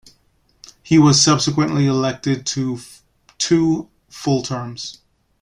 He was subsequently elected to two full terms.